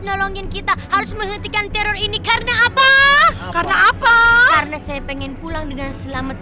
nolongin kita harus menghentikan teror ini karena kita sudah berhasil menangani teror ini kita harus